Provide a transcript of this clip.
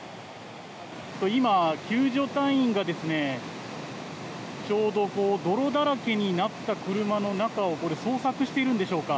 今、救助隊員がちょうど泥だらけになった車の中を捜索しているんでしょうか。